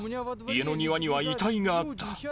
家の庭には遺体があった。